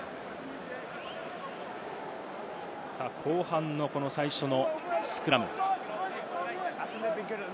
後半の最初のスクラム。